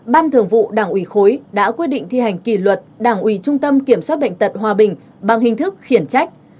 ban thường vụ đảng ủy khối đã quyết định thi hành kỷ luật đảng ủy trung tâm kiểm soát bệnh tật hòa bình bằng hình thức khiển trách